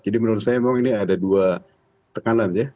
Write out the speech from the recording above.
jadi menurut saya memang ini ada dua tekanan ya